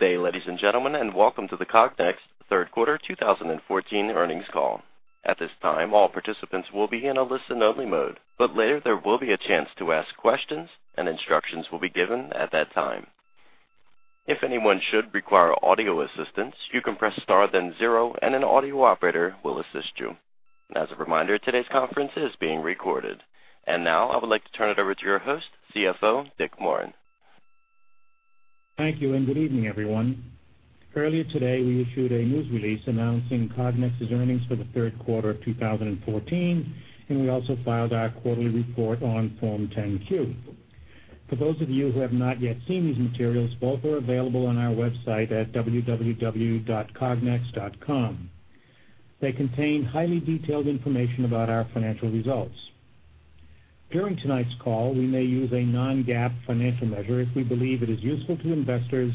Good day, ladies and gentlemen, and welcome to the Cognex Q3 2014 Earnings Call. At this time, all participants will be in a listen-only mode, but later there will be a chance to ask questions and instructions will be given at that time. If anyone should require audio assistance, you can press star, then zero, and an audio operator will assist you. As a reminder, today's conference is being recorded. Now I would like to turn it over to your host, CFO Dick Morin. Thank you, and good evening, everyone. Earlier today, we issued a news release announcing Cognex's earnings for the Q3 of 2014, and we also filed our quarterly report on Form 10-Q. For those of you who have not yet seen these materials, both are available on our website at www.cognex.com. They contain highly detailed information about our financial results. During tonight's call, we may use a non-GAAP financial measure if we believe it is useful to investors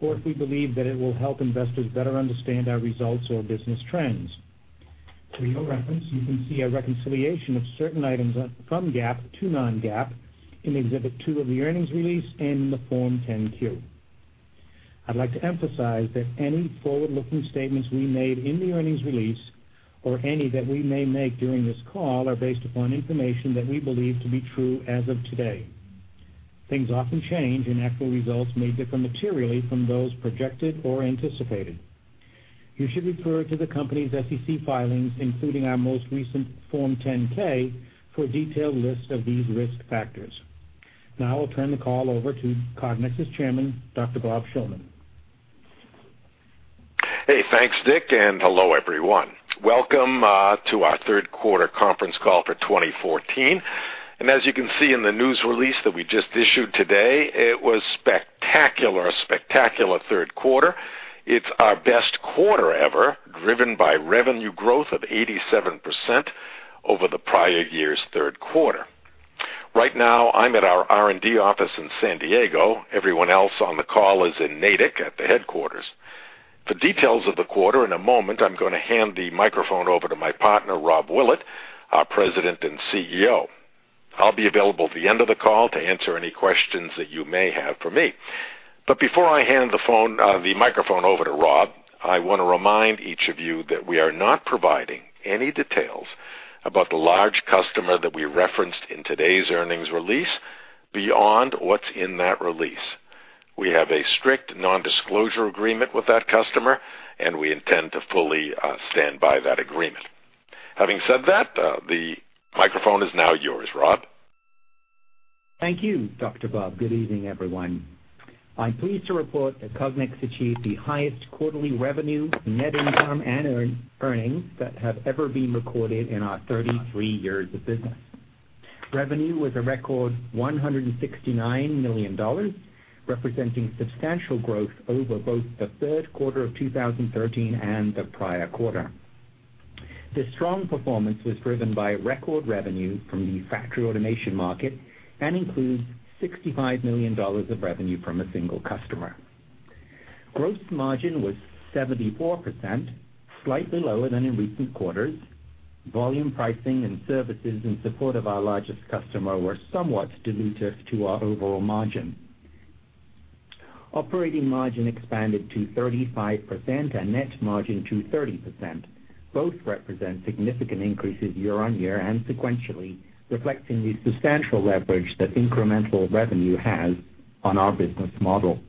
or if we believe that it will help investors better understand our results or business trends. For your reference, you can see a reconciliation of certain items from GAAP to non-GAAP in Exhibit 2 of the earnings release in the Form 10-Q. I'd like to emphasize that any forward-looking statements we made in the earnings release or any that we may make during this call, are based upon information that we believe to be true as of today. Things often change, and actual results may differ materially from those projected or anticipated. You should refer to the company's SEC filings, including our most recent Form 10-K, for a detailed list of these risk factors. Now I'll turn the call over to Cognex's Chairman, Dr. Bob Shillman. Hey, thanks, Dick, and hello, everyone. Welcome to our Q3 conference call for 2014. As you can see in the news release that we just issued today, it was spectacular, a spectacular Q3. It's our best quarter ever, driven by revenue growth of 87% over the prior year's Q3. Right now, I'm at our R&D office in San Diego. Everyone else on the call is in Natick at the Headquarters. For details of the quarter, in a moment, I'm going to hand the microphone over to my partner, Rob Willett, our President and CEO. I'll be available at the end of the call to answer any questions that you may have for me. But before I hand the phone, the microphone over to Rob, I want to remind each of you that we are not providing any details about the large customer that we referenced in today's earnings release beyond what's in that release. We have a strict nondisclosure agreement with that customer, and we intend to fully stand by that agreement. Having said that, the microphone is now yours, Rob. Thank you, Dr. Bob. Good evening, everyone. I'm pleased to report that Cognex achieved the highest quarterly revenue, net income and earnings that have ever been recorded in our 33 years of business. Revenue was a record $169 million, representing substantial growth over both the Q3 of 2013 and the prior quarter. This strong performance was driven by record revenue from the factory automation market and includes $65 million of revenue from a single customer. Gross margin was 74%, slightly lower than in recent quarters. Volume pricing and services in support of our largest customer were somewhat dilutive to our overall margin. Operating margin expanded to 35% and net margin to 30%. Both represent significant increases year-on-year and sequentially, reflecting the substantial leverage that incremental revenue has on our business model.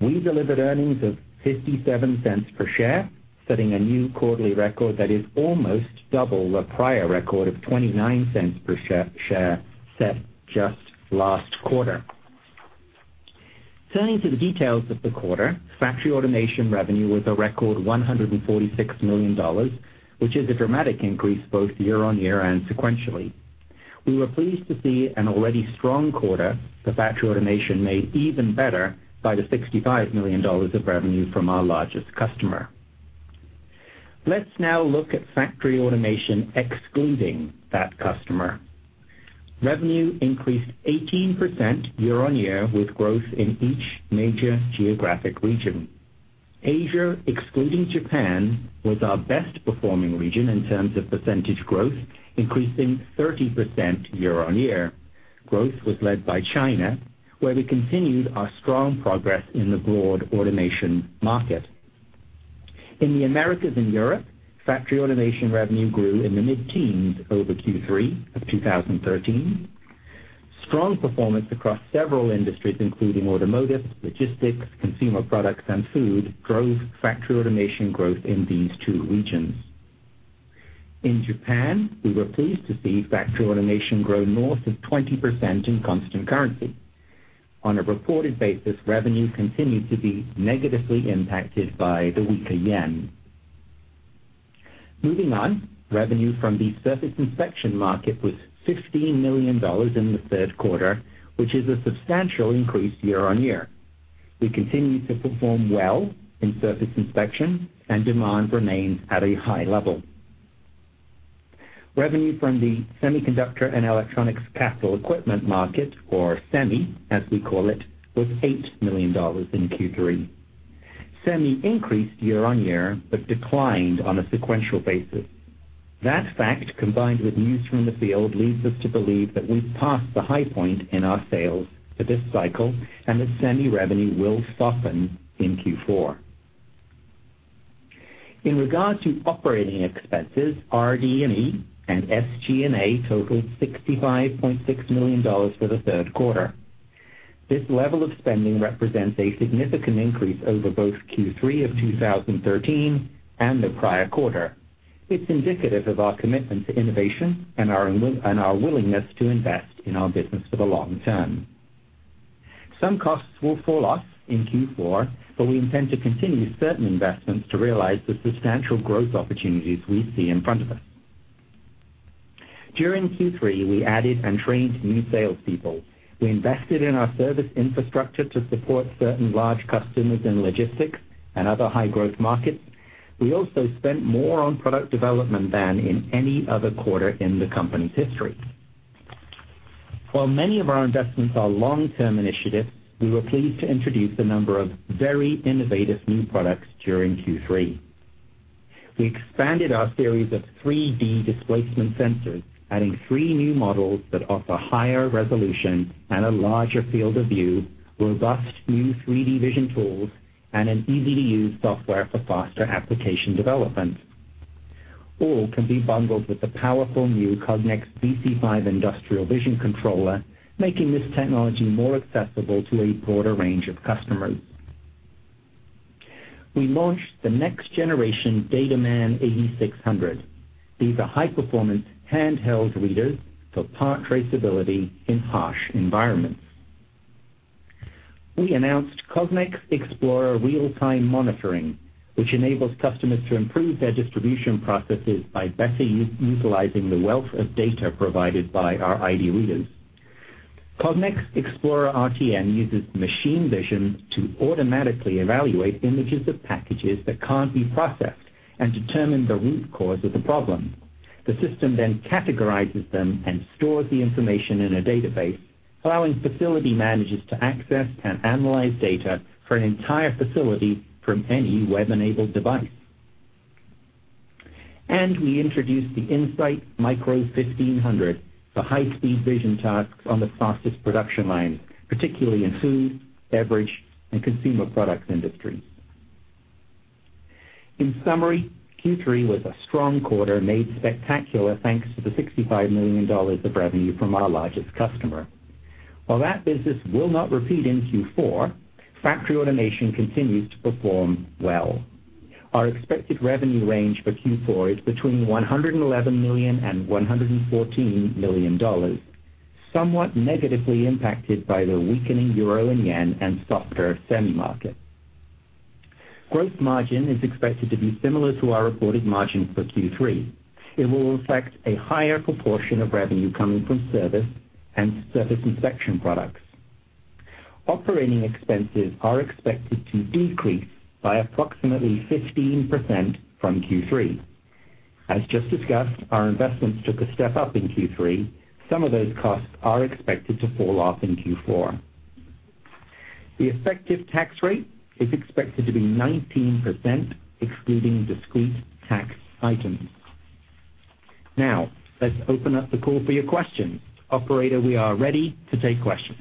We delivered earnings of $0.57 per share, setting a new quarterly record that is almost double the prior record of $0.29 per share set just last quarter. Turning to the details of the quarter, factory automation revenue was a record $146 million, which is a dramatic increase both year-over-year and sequentially. We were pleased to see an already strong quarter for factory automation made even better by the $65 million of revenue from our largest customer. Let's now look at factory automation excluding that customer. Revenue increased 18% year-over-year, with growth in each major geographic region. Asia, excluding Japan, was our best performing region in terms of percentage growth, increasing 30% year-over-year. Growth was led by China, where we continued our strong progress in the broad automation market. In the Americas and Europe, factory automation revenue grew in the mid-teens over Q3 of 2013. Strong performance across several industries, including automotive, logistics, consumer products, and food, drove factory automation growth in these two regions. In Japan, we were pleased to see factory automation grow north of 20% in constant currency. On a reported basis, revenue continued to be negatively impacted by the weaker yen. Moving on, revenue from the surface inspection market was $16 million in the Q3, which is a substantial increase year-on-year. We continue to perform well in surface inspection and demand remains at a high level. Revenue from the semiconductor and electronics capital equipment market, or Semi, as we call it, was $8 million in Q3. Semi increased year-on-year but declined on a sequential basis. That fact, combined with news from the field, leads us to believe that we've passed the high point in our sales for this cycle, and that Semi revenue will soften in Q4. In regard to operating expenses, RD&E and SG&A totaled $65.6 million for the Q3. This level of spending represents a significant increase over both Q3 of 2013 and the prior quarter. It's indicative of our commitment to innovation and our willingness to invest in our business for the long term. Some costs will fall off in Q4, but we intend to continue certain investments to realize the substantial growth opportunities we see in front of us. During Q3, we added and trained new salespeople. We invested in our service infrastructure to support certain large customers in logistics and other high-growth markets. We also spent more on product development than in any other quarter in the company's history. While many of our investments are long-term initiatives, we were pleased to introduce a number of very innovative new products during Q3. We expanded our series of 3D displacement sensors, adding three new models that offer higher resolution and a larger field of view, robust new 3D vision tools, and an easy-to-use software for faster application development. All can be bundled with the powerful new Cognex VC5 industrial vision controller, making this technology more accessible to a broader range of customers. We launched the next generation DataMan 8600. These are high-performance handheld readers for part traceability in harsh environments. We announced Cognex Explorer Real Time Monitoring, which enables customers to improve their distribution processes by better utilizing the wealth of data provided by our ID readers. Cognex Explorer RTM uses machine vision to automatically evaluate images of packages that can't be processed and determine the root cause of the problem. The system then categorizes them and stores the information in a database, allowing facility managers to access and analyze data for an entire facility from any web-enabled device. We introduced the In-Sight Micro 1500 for high-speed vision tasks on the fastest production lines, particularly in food, beverage, and consumer products industries. In summary, Q3 was a strong quarter, made spectacular thanks to the $65 million of revenue from our largest customer. While that business will not repeat in Q4, factory automation continues to perform well. Our expected revenue range for Q4 is between $111 million and 114 million, somewhat negatively impacted by the weakening euro and yen, and softer semi market. Gross margin is expected to be similar to our reported margin for Q3. It will reflect a higher proportion of revenue coming from service and surface inspection products. Operating expenses are expected to decrease by approximately 15% from Q3. As just discussed, our investments took a step up in Q3. Some of those costs are expected to fall off in Q4. The effective tax rate is expected to be 19%, excluding discrete tax items. Now, let's open up the call for your questions. Operator, we are ready to take questions.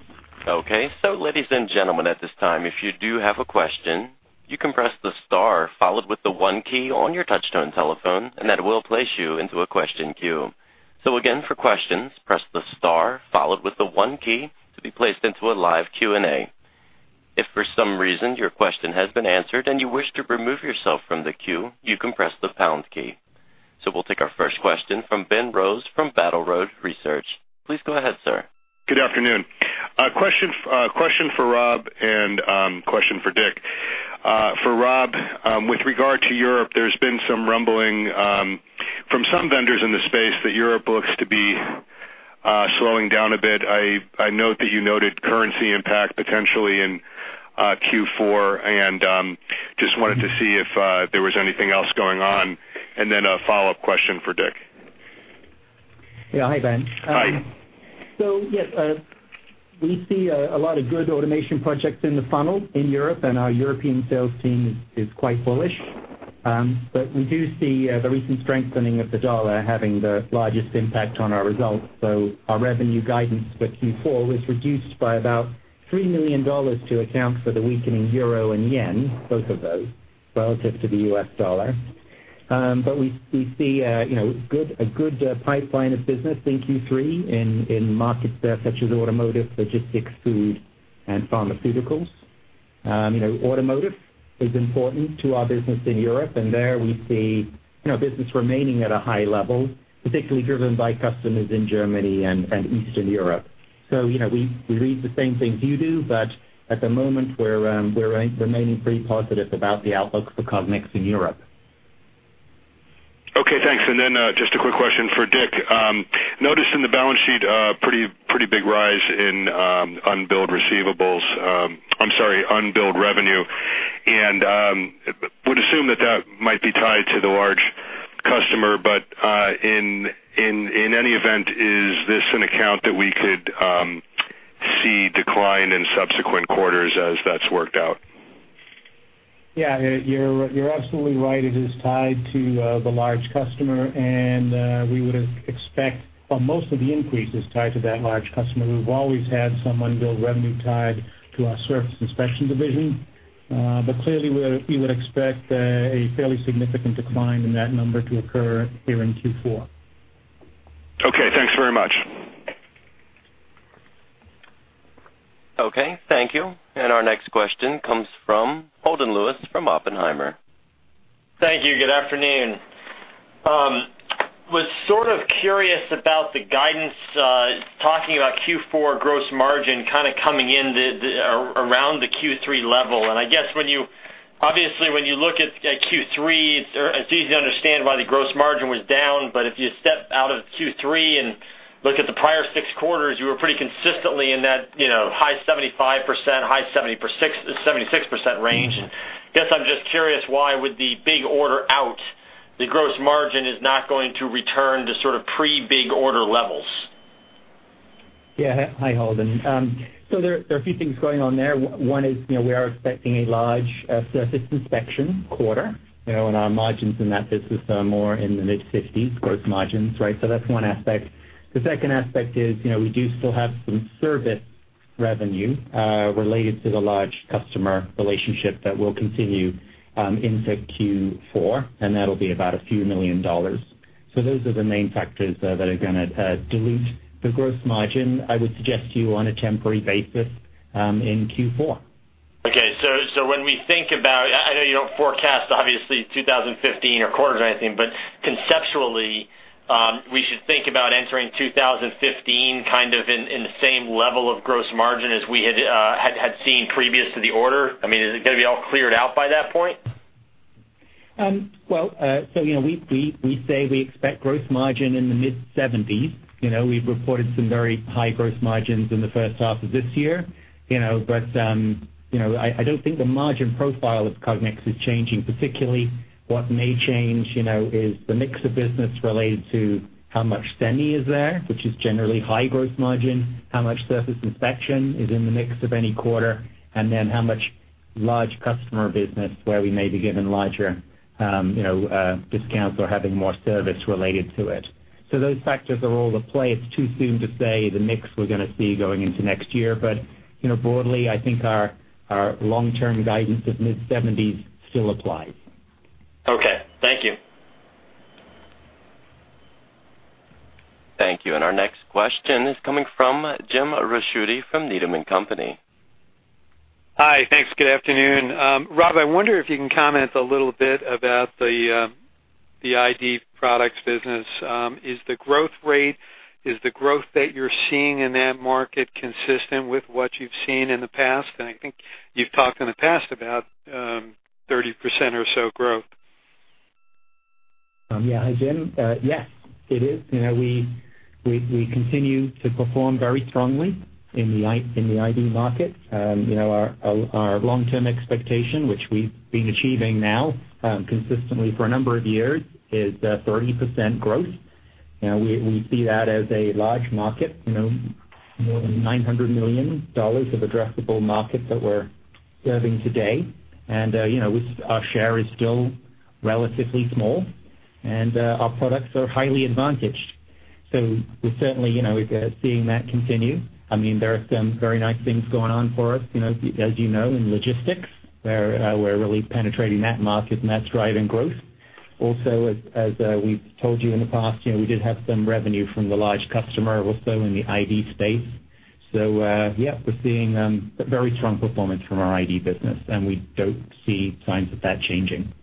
Okay. So, ladies and gentlemen, at this time, if you do have a question, you can press the star followed with the one key on your touch-tone telephone, and that will place you into a question queue. So again, for questions, press the star followed with the one key to be placed into a live Q&A. If for some reason your question has been answered and you wish to remove yourself from the queue, you can press the pound key. So we'll take our first question from Ben Rose, from Battle Road Research. Please go ahead, sir. Good afternoon. A question for Rob and question for Dick. For Rob, with regard to Europe, there's been some rumbling from some vendors in the space that Europe looks to be slowing down a bit. I note that you noted currency impact potentially in Q4, and just wanted to see if there was anything else going on, and then a follow-up question for Dick. Yeah. Hi, Ben. Hi. So yes, we see a lot of good automation projects in the funnel in Europe, and our European sales team is quite bullish. But we do see the recent strengthening of the dollar having the largest impact on our results. So our revenue guidance for Q4 was reduced by about $3 million to account for the weakening euro and yen, both of those, relative to the US dollar. But we see a, you know, good pipeline of business in Q3 in markets such as automotive, logistics, food, and pharmaceuticals. You know, automotive is important to our business in Europe, and there we see, you know, business remaining at a high level, particularly driven by customers in Germany and Eastern Europe. You know, we read the same things you do, but at the moment, we're remaining pretty positive about the outlook for Cognex in Europe. Okay, thanks. And then, just a quick question for Dick. Noticed in the balance sheet a pretty, pretty big rise in unbilled receivables. I'm sorry, unbilled revenue, and would assume that that might be tied to the large but in any event, is this an account that we could see decline in subsequent quarters as that's worked out? Yeah, you're absolutely right. It is tied to the large customer, and we would expect, well, most of the increase is tied to that large customer. We've always had some unbilled revenue tied to our surface inspection division. But clearly, we would expect a fairly significant decline in that number to occur here in Q4. Okay, thanks very much. Okay, thank you. Our next question comes from Holden Lewis from Oppenheimer. Thank you. Good afternoon. Was sort of curious about the guidance, talking about Q4 gross margin kind of coming in around the Q3 level. And I guess when you—obviously, when you look at Q3, it's easy to understand why the gross margin was down, but if you step out of Q3 and look at the prior six quarters, you were pretty consistently in that, you know, high 75%, high 70%-76% range. And I guess I'm just curious, why with the big order out, the gross margin is not going to return to sort of pre-big order levels? Yeah. Hi, Holden. So there, there are a few things going on there. One is, you know, we are expecting a large surface inspection quarter, you know, and our margins in that business are more in the mid-50s% gross margins, right? So that's one aspect. The second aspect is, you know, we do still have some service revenue related to the large customer relationship that will continue into Q4, and that'll be about a few million dollars. So those are the main factors that are gonna dilute the gross margin, I would suggest to you, on a temporary basis in Q4. Okay. So when we think about—I know you don't forecast obviously 2015 or quarters or anything, but conceptually, we should think about entering 2015, kind of in the same level of gross margin as we had seen previous to the order? I mean, is it gonna be all cleared out by that point? Well, so you know, we say we expect gross margin in the mid-70s. You know, we've reported some very high gross margins in the first half of this year, you know. But, you know, I don't think the margin profile of Cognex is changing. Particularly, what may change, you know, is the mix of business related to how much semi is there, which is generally high gross margin, how much surface inspection is in the mix of any quarter, and then how much large customer business, where we may be given larger, you know, discounts or having more service related to it. So those factors are all at play. It's too soon to say the mix we're gonna see going into next year, but, you know, broadly, I think our long-term guidance of mid-70s still applies. Okay, thank you. Thank you. And our next question is coming from James Ricchiuti from Needham & Company. Hi. Thanks. Good afternoon. Rob, I wonder if you can comment a little bit about the, the ID products business. Is the growth rate, is the growth that you're seeing in that market consistent with what you've seen in the past? And I think you've talked in the past about, 30% or so growth. Yeah. Hi, Jim. Yes, it is. You know, we continue to perform very strongly in the ID market. You know, our long-term expectation, which we've been achieving now, consistently for a number of years, is 30% growth. You know, we see that as a large market, you know, more than $900 million of addressable market that we're serving today. And, you know, our share is still relatively small, and our products are highly advantaged. So we're certainly, you know, seeing that continue. I mean, there are some very nice things going on for us, you know, as you know, in logistics, where we're really penetrating that market, and that's driving growth. Also, we've told you in the past, you know, we did have some revenue from the large customer also in the ID space. So, yeah, we're seeing a very strong performance from our ID business, and we don't see signs of that changing.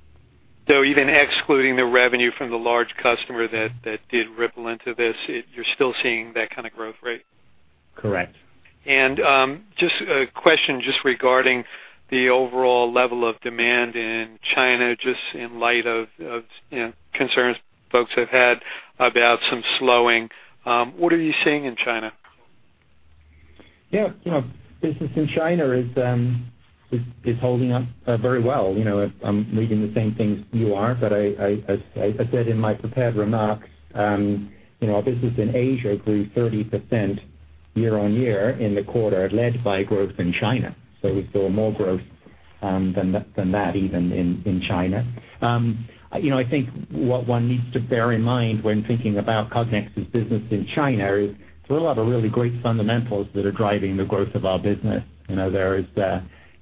So even excluding the revenue from the large customer that, that did ripple into this, it—you're still seeing that kind of growth rate? Correct. Just a question just regarding the overall level of demand in China, just in light of, you know, concerns folks have had about some slowing. What are you seeing in China? Yeah, you know, business in China is holding up very well. You know, I'm reading the same things you are, but I, as I said in my prepared remarks, you know, our business in Asia grew 30% year-on-year in the quarter, led by growth in China. So we saw more growth than that, even in China. You know, I think what one needs to bear in mind when thinking about Cognex's business in China is there are a lot of really great fundamentals that are driving the growth of our business. You know, there is,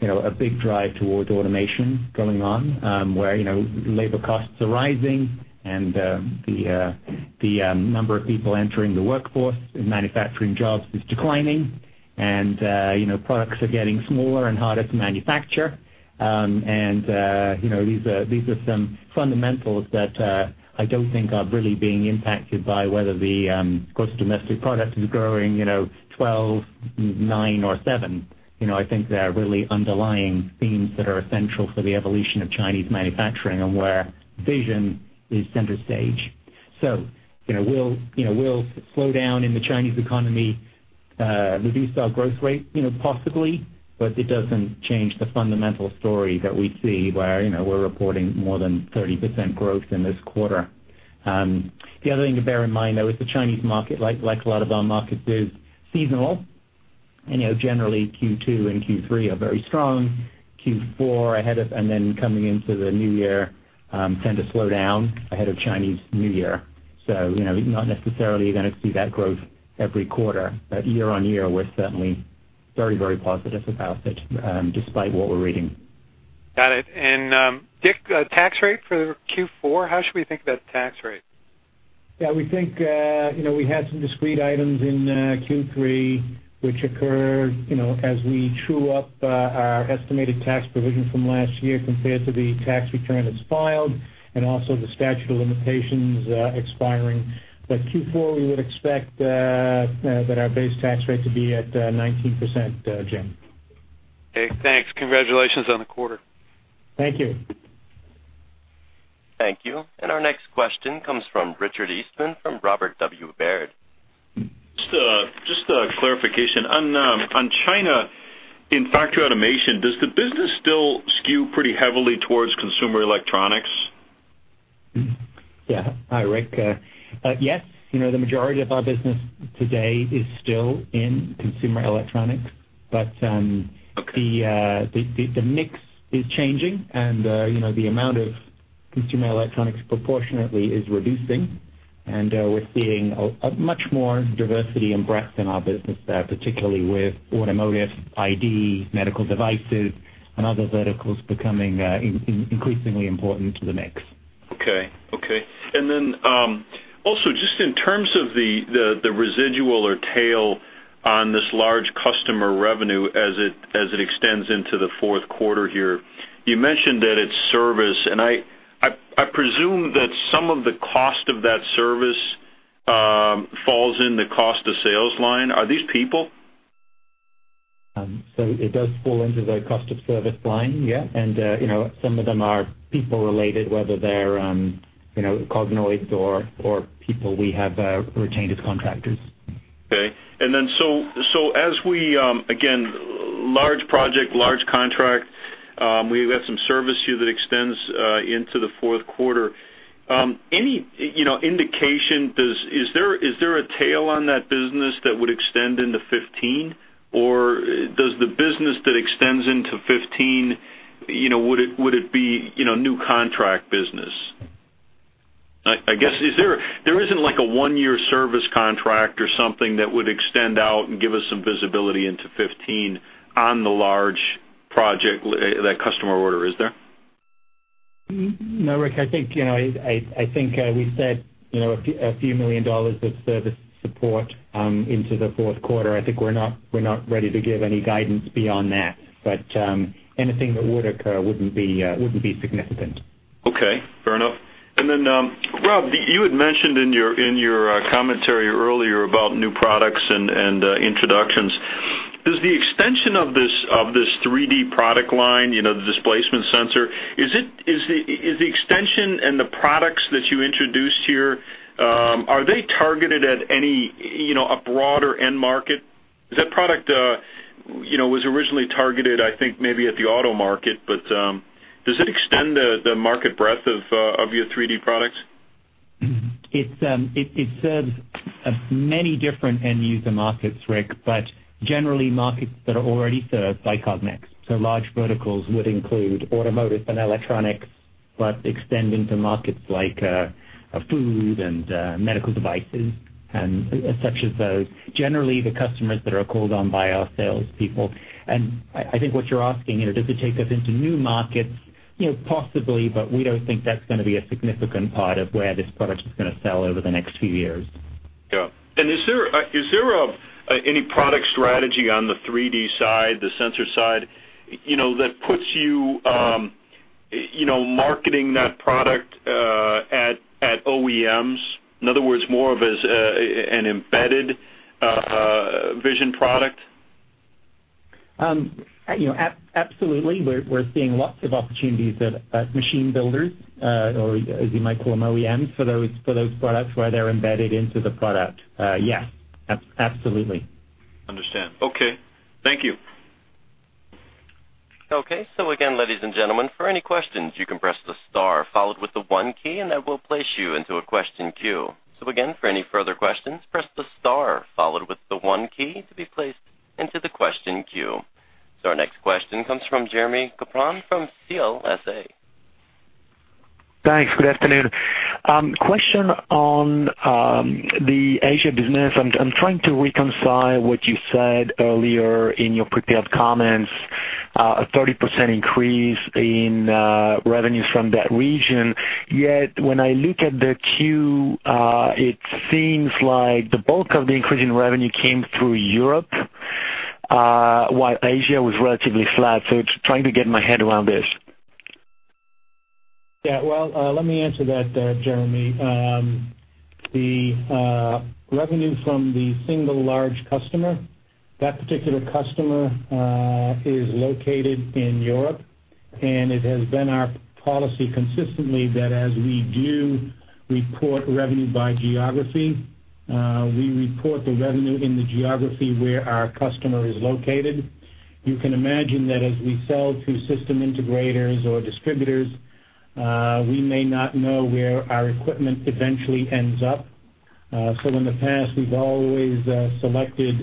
you know, a big drive toward automation going on, where, you know, labor costs are rising and, the, the, number of people entering the workforce in manufacturing jobs is declining, and, you know, products are getting smaller and harder to manufacture. And, you know, these, these are some fundamentals that, I don't think are really being impacted by whether the, gross domestic product is growing, you know, 12, 9 or 7. You know, I think there are really underlying themes that are essential for the evolution of Chinese manufacturing and where vision is center stage. So, you know, will, you know, will slow down in the Chinese economy, reduce our growth rate? You know, possibly, but it doesn't change the fundamental story that we see where, you know, we're reporting more than 30% growth in this quarter. The other thing to bear in mind, though, is the Chinese market, like, like a lot of our markets, is seasonal. You know, generally, Q2 and Q3 are very strong. Q4 ahead of, and then coming into the new year, tend to slow down ahead of Chinese New Year. So, you know, you're not necessarily going to see that growth every quarter, but year-on-year, we're certainly very, very positive about it, despite what we're reading. Got it. And, Dick, tax rate for Q4, how should we think about tax rate? Yeah, we think, you know, we had some discrete items in Q3, which occurred, you know, as we true up our estimated tax provision from last year compared to the tax return that's filed and also the statute of limitations expiring. But Q4, we would expect that our base tax rate to be at 19%, Jim. Okay, thanks. Congratulations on the quarter. Thank you. Thank you. And our next question comes from Richard Eastman from Robert W. Baird. Just a clarification. On China, in factory automation, does the business still skew pretty heavily towards consumer electronics? Yeah. Hi, Rick, yes, you know, the majority of our business today is still in consumer electronics. But— Okay. The mix is changing and, you know, the amount of consumer electronics proportionately is reducing, and we're seeing a much more diversity and breadth in our business there, particularly with automotive, ID, medical devices, and other verticals becoming increasingly important to the mix. Okay, okay. And then, also, just in terms of the residual or tail on this large customer revenue as it extends into the Q4 here, you mentioned that it's service, and I presume that some of the cost of that service falls in the cost of sales line. Are these people? It does fall into the cost of service line, yeah. You know, some of them are people-related, whether they're, you know, Cognoids or, or people we have retained as contractors. Okay. As we, again, large project, large contract, we have some service here that extends into the Q4. Any, you know, indication, is there a tail on that business that would extend into 2015, or does the business that extends into 2015, you know, would it be new contract business? I guess, is there—there isn't, like, a one-year service contract or something that would extend out and give us some visibility into 2015 on the large project, that customer order, is there? No, Rick, I think, you know, I think we said, you know, a few million dollars of service support into the Q4. I think we're not ready to give any guidance beyond that, but anything that would occur wouldn't be significant. Okay. Fair enough. And then, Rob, you had mentioned in your commentary earlier about new products and introductions. Does the extension of this 3D product line, you know, the displacement sensor, is it the extension and the products that you introduced here, are they targeted at any, you know, a broader end market? Is that product, you know, was originally targeted, I think, maybe at the auto market, but, does it extend the market breadth of your 3D products? It serves many different end user markets, Rick, but generally, markets that are already served by Cognex. So large verticals would include automotive and electronics, but extending to markets like food and medical devices and such as those. Generally, the customers that are called on by our salespeople. And I think what you're asking, you know, does it take us into new markets? You know, possibly, but we don't think that's gonna be a significant part of where this product is gonna sell over the next few years. Yeah. And is there any product strategy on the 3D side, the sensor side, you know, that puts you, you know, marketing that product at OEMs? In other words, more of as an embedded vision product? You know, absolutely. We're seeing lots of opportunities at machine builders, or as you might call them, OEMs, for those products where they're embedded into the product. Yes, absolutely. Understand. Okay. Thank you. Okay, so again, ladies and gentlemen, for any questions, you can press the star followed with the one key, and that will place you into a question queue. So again, for any further questions, press the star followed with the one key to be placed into the question queue. So our next question comes from Jérémie Capron from CLSA. Thanks. Good afternoon. Question on the Asia business. I'm trying to reconcile what you said earlier in your prepared comments, a 30% increase in revenues from that region. Yet, when I look at the Q, it seems like the bulk of the increase in revenue came through Europe, while Asia was relatively flat. So just trying to get my head around this. Yeah, well, let me answer that, Jeremy. The revenue from the single large customer, that particular customer, is located in Europe, and it has been our policy consistently that as we do report revenue by geography, we report the revenue in the geography where our customer is located. You can imagine that as we sell to system integrators or distributors, we may not know where our equipment eventually ends up. So in the past, we've always selected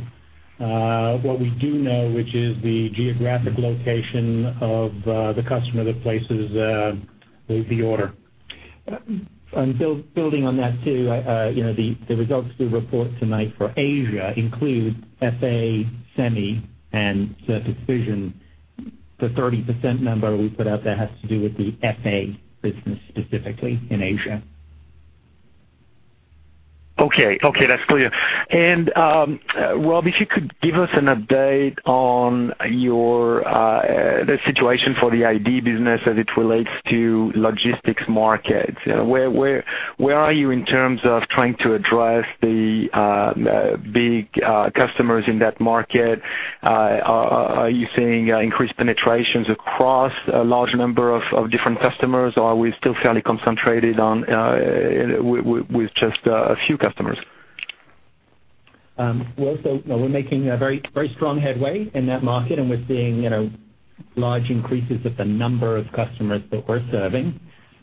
what we do know, which is the geographic location of the customer that places the order. And building on that, too, you know, the results we report tonight for Asia include FA, Semi, and the division. The 30% number we put out there has to do with the FA business, specifically in Asia. Okay, okay, that's clear. And, Rob, if you could give us an update on your, the situation for the ID business as it relates to logistics markets. Where are you in terms of trying to address the, big, customers in that market? Are you seeing increased penetrations across a large number of different customers, or are we still fairly concentrated on, with just a few customers? We're also making a very, very strong headway in that market, and we're seeing, you know, large increases of the number of customers that we're serving.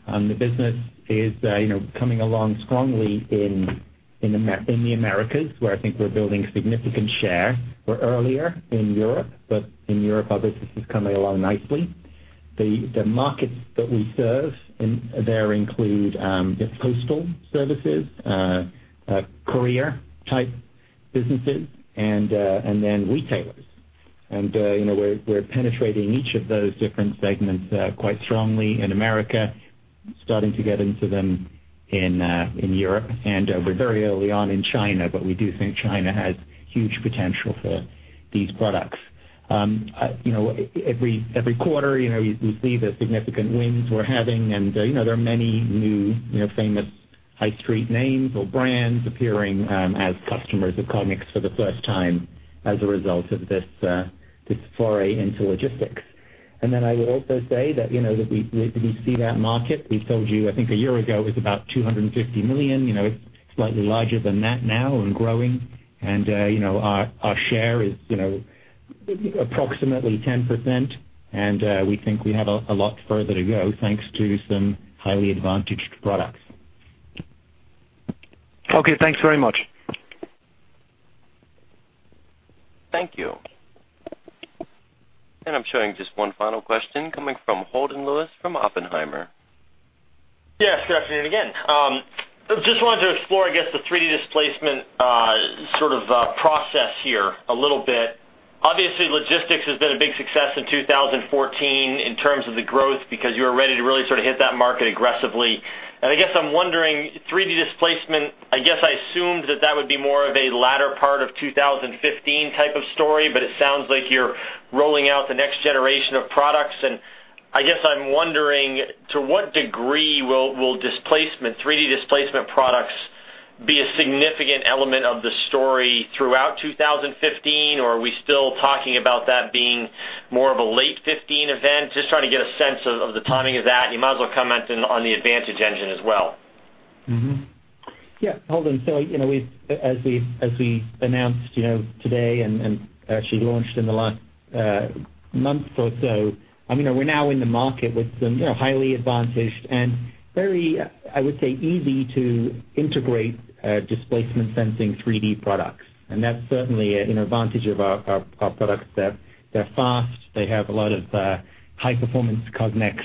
The business is, you know, coming along strongly in the Americas, where I think we're building significant share. We're earlier in Europe, but in Europe, obviously, this is coming along nicely. The markets that we serve in there include the postal services, carrier type businesses, and then retailers. You know, we're penetrating each of those different segments quite strongly in the Americas, starting to get into them in Europe. We're very early on in China, but we do think China has huge potential for these products. I, you know, every quarter, you know, we see the significant wins we're having, and, you know, there are many new, you know, famous high street names or brands appearing as customers of Cognex for the first time as a result of this this foray into logistics. Then I would also say that, you know, that we we see that market. We told you, I think a year ago, it was about $250 million. You know, it's slightly larger than that now and growing. And, you know, our share is, you know, approximately 10%, and we think we have a lot further to go, thanks to some highly advantaged products. Okay, thanks very much. Thank you. And I'm showing just one final question coming from Holden Lewis from Oppenheimer. Yeah, good afternoon again. Just wanted to explore, I guess, the 3D displacement sort of process here a little bit. Obviously, logistics has been a big success in 2014 in terms of the growth, because you were ready to really sort of hit that market aggressively. And I guess I'm wondering, 3D displacement, I guess I assumed that that would be more of a latter part of 2015 type of story, but it sounds like you're rolling out the next generation of products. And I guess I'm wondering, to what degree will displacement, 3D displacement products be a significant element of the story throughout 2015? Or are we still talking about that being more of a late 2015 event? Just trying to get a sense of the timing of that. You might as well comment on the Advantage engine as well. Yeah, Holden. So, you know, we've, as we announced, you know, today and actually launched in the last month or so, I mean, we're now in the market with some, you know, highly advantaged and very, I would say, easy to integrate displacement sensing 3D products. And that's certainly an advantage of our products. They're fast, they have a lot of high performance Cognex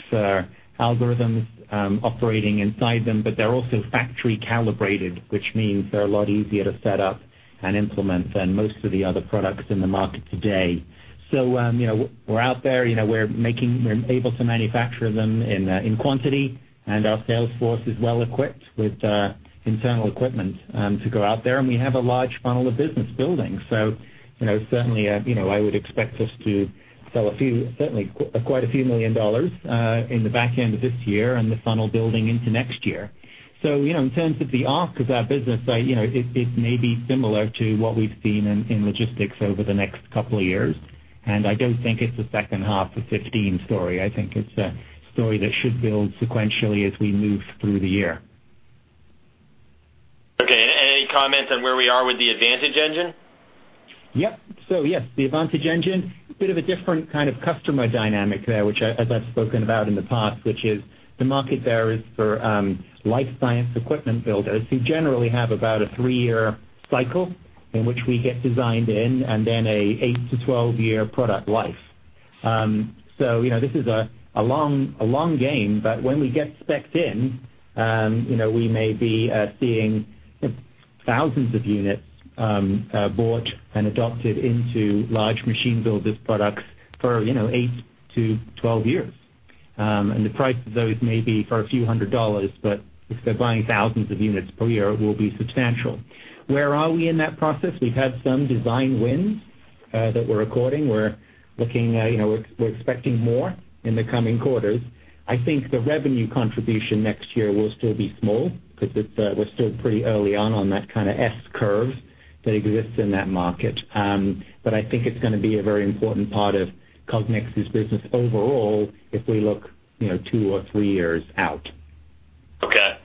algorithms operating inside them, but they're also factory calibrated, which means they're a lot easier to set up and implement than most of the other products in the market today. So, you know, we're out there, you know, we're able to manufacture them in, in quantity, and our sales force is well equipped with, internal equipment, to go out there, and we have a large funnel of business building. So, you know, certainly, you know, I would expect us to sell a few, certainly quite a few million dollars, in the back end of this year and the funnel building into next year. So, you know, in terms of the arc of our business, I, you know, it may be similar to what we've seen in, logistics over the next couple of years, and I don't think it's a second half of 2015 story. I think it's a story that should build sequentially as we move through the year. Okay, any comments on where we are with the Advantage engine? Yep. So yes, the Advantage engine, bit of a different kind of customer dynamic there, which I, as I've spoken about in the past, which is the market there is for, life science equipment builders, who generally have about a three-year cycle in which we get designed in, and then an eight to 12-year product life. So, you know, this is a long game, but when we get spec'd in, you know, we may be seeing thousands of units, bought and adopted into large machine builders products for, you know, eight to 12 years. And the price of those may be for a few hundred dollars, but if they're buying thousands of units per year, it will be substantial. Where are we in that process? We've had some design wins, that we're recording. We're looking, you know, we're expecting more in the coming quarters. I think the revenue contribution next year will still be small, because it's, we're still pretty early on on that kind of S-curve that exists in that market. But I think it's gonna be a very important part of Cognex's business overall, if we look, you know, two or three years out. Okay.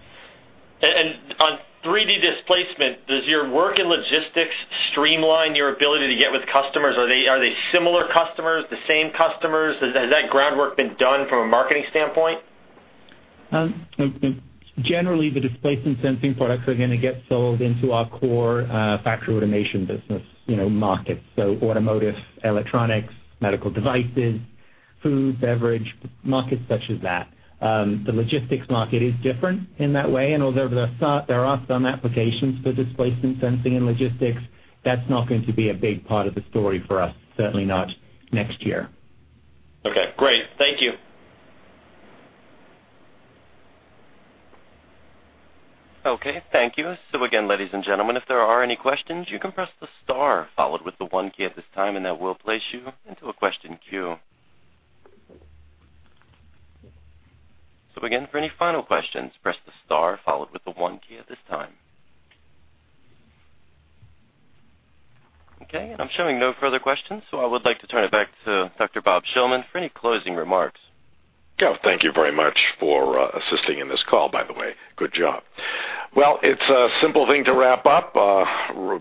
And on 3D displacement, does your work in logistics streamline your ability to get with customers? Are they similar customers, the same customers? Has that groundwork been done from a marketing standpoint? Generally, the displacement sensing products are going to get sold into our core factory automation business, you know, markets, so automotive, electronics, medical devices, food, beverage, markets such as that. The logistics market is different in that way, and although there are some applications for displacement sensing and logistics, that's not going to be a big part of the story for us, certainly not next year. Okay, great. Thank you. Okay, thank you. So again, ladies and gentlemen, if there are any questions, you can press the star followed with the one key at this time, and that will place you into a question queue. So again, for any final questions, press the star followed with the one key at this time. Okay, and I'm showing no further questions, so I would like to turn it back to Dr. Bob Shillman for any closing remarks. Yeah, thank you very much for assisting in this call, by the way. Good job. Well, it's a simple thing to wrap up.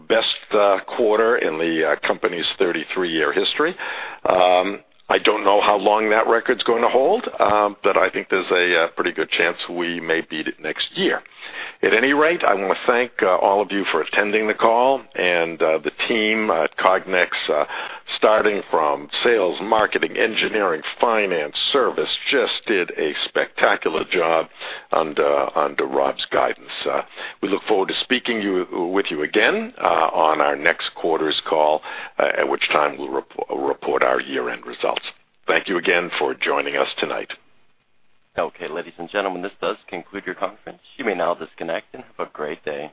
Best quarter in the company's 33-year history. I don't know how long that record's going to hold, but I think there's a pretty good chance we may beat it next year. At any rate, I want to thank all of you for attending the call and the team at Cognex, starting from sales, marketing, engineering, finance, service, just did a spectacular job under Rob's guidance. We look forward to speaking you, with you again, on our next quarter's call, at which time we'll report our year-end results. Thank you again for joining us tonight. Okay, ladies and gentlemen, this does conclude your conference. You may now disconnect, and have a great day.